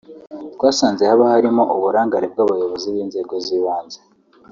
twasanze haba harimo uburangare bw’abayobozi b’inzego z’ibanze